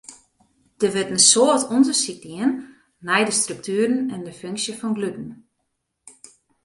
Der wurdt in soad ûndersyk dien nei de struktueren en funksje fan gluten.